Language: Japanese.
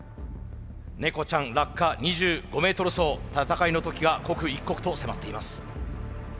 ネコちゃん落下２５ｍ走戦いの時が刻一刻と迫っています。